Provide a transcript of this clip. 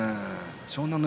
湘南乃